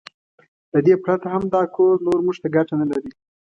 له دې پرته هم دا کور نور موږ ته ګټه نه لري.